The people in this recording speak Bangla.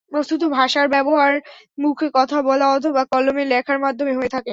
বস্তুত ভাষার ব্যবহার মুখে কথা বলা অথবা কলমে লেখার মাধ্যমে হয়ে থাকে।